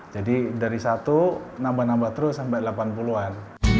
dari satu nambah nambah terus sampai delapan puluh an